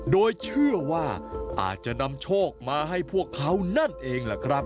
โดยเชื่อว่าอาจจะนำโชคมาให้พวกเขานั่นเองล่ะครับ